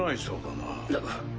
なっ。